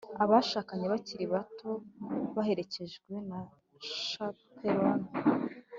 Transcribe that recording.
abashakanye bakiri bato baherekejwe na chaperone.